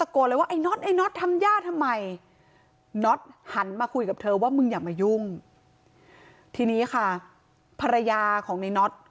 กับเธอว่ามึงอย่ามายุ่งทีนี้ค่ะภรรยาของในน๊อต